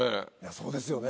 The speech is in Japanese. そうですよね